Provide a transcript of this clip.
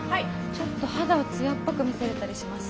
ちょっと肌を艶っぽく見せれたりします？